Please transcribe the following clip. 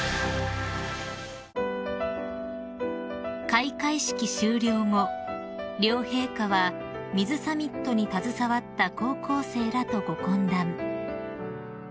［開会式終了後両陛下は水サミットに携わった高校生らとご懇談］